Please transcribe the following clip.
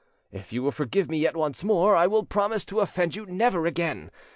If you will forgive me yet once more, I will promise to offend you never again.